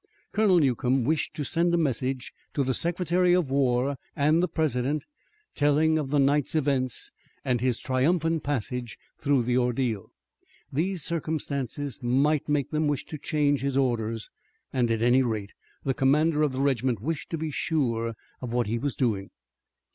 Colonel Newcomb wished to send a message to the Secretary of War and the President, telling of the night's events and his triumphant passage through the ordeal. These circumstances might make them wish to change his orders, and at any rate the commander of the regiment wished to be sure of what he was doing.